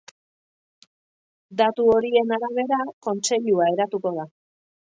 Datu horien arabera, kontseilua eratuko da.